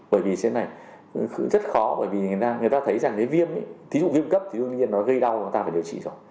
bởi vì thế này rất khó bởi vì người ta thấy rằng cái viêm thí dụ viêm cấp thì đương nhiên nó gây đau và người ta phải điều trị rồi